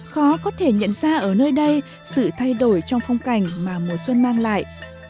khó có thể nhận ra ở nơi đây sự thay đổi trong phong cảnh mà mùa xuân mang lại